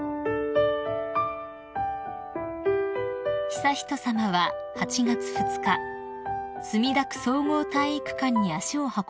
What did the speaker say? ［悠仁さまは８月２日墨田区総合体育館に足を運ばれました］